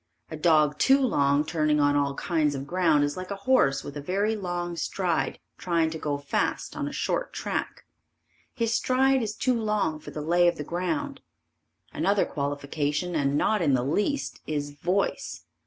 A dog too long turning on all kinds of ground is like a horse with a very long stride trying to go fast on a short track. His stride is too long for the lay of the ground. Another qualification and not in the least, is voice.